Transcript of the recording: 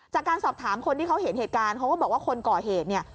จากการสอบถามคนที่เขาเห็นเหตุการณ์เขาก็บอกว่าคนก่อเหตุเนี่ย